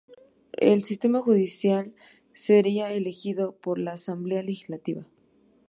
El sistema judicial, sería elegido por la Asamblea Legislativa.